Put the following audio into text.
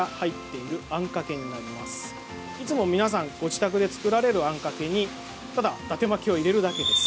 いつも皆さんご自宅で作られるあんかけにだて巻きを入れるだけです。